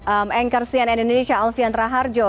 anchor cnn indonesia alfian raharjo